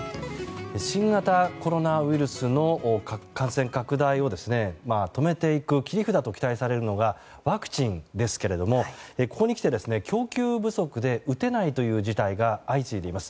新型コロナウイルスの感染拡大を止めていく切り札と期待されるのがワクチンですけれどもここにきて供給不足で打てないという事態が相次いでいます。